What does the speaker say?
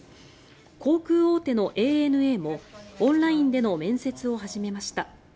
航空大手のＡＮＡもオンラインでの面接を始めました。